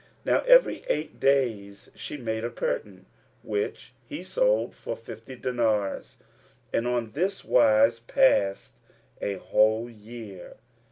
Now every eight days she made a curtain, which he sold for fifty dinars, and on this wise passed a whole year.